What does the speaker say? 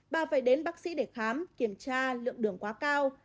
bà phải đến bác sĩ để khám kiểm tra lượng đường quá cao